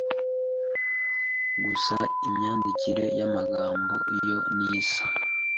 Gusa imyandikire y’amagambo yo ntisa